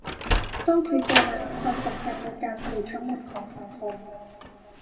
ต้องพิจารณาความสัมพันธ์ในการผลิตทั้งหมดของสังคม